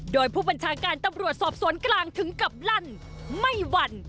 โดยผู้บัญชาการตำรวจสอบสวนกลางถึงกับลั่นไม่หวั่น